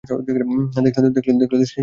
দেখলে তো, সে তো বললই ও এখানে নেই।